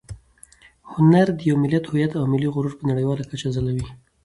هنر د یو ملت هویت او ملي غرور په نړیواله کچه ځلوي.